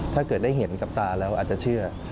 ถ้าเกิดได้เห็นกับตาแล้วอาจจะเชื่อ